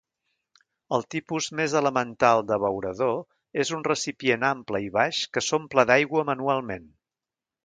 El tipus més elemental d'abeurador és un recipient ample i baix que s'omple d'aigua manualment.